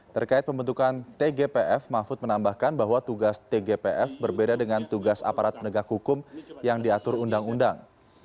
terkait pembentukan tgpf mahfud menambahkan bahwa tugas tgpf berbeda dengan tugas aparat penegak hukum yang diatur undang undang